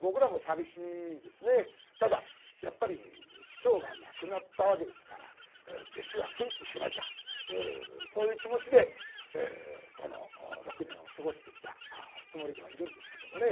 ただやっぱり師匠が亡くなったわけですから弟子は奮起しなきゃそういう気持ちでこの６年を過ごしてきたつもりではいるんですけどもね。